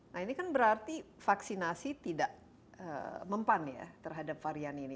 nah ini kan berarti vaksinasi tidak mempan ya terhadap varian ini